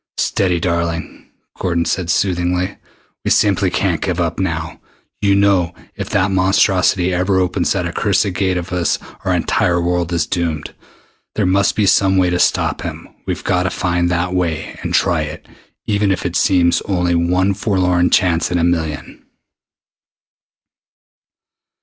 "Steady, darling," Gordon said soothingly. "We simply can't give up now, you know. If that monstrosity ever opens that accursed Gate of his our entire world is doomed. There must be some way to stop him. We've got to find that way and try it even if it seems only one forlorn chance in a million."